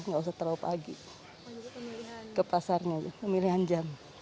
nggak usah terlalu pagi ke pasarnya aja pemilihan jam